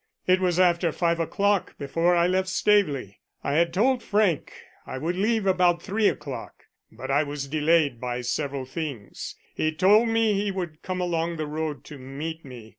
It was after five o'clock before I left Staveley; I had told Frank I would leave about three o'clock, but I was delayed by several things. He told me he would come along the road to meet me.